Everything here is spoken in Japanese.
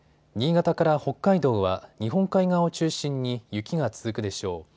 新潟から北海道は日本海側を中心に雪が続くでしょう。